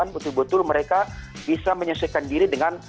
betul betul mereka bisa menyesuaikan diri dengan